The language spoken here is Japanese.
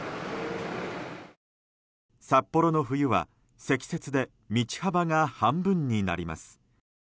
札幌の冬は積雪で道幅が半分になります。